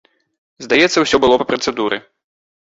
Здаецца, усё было па працэдуры.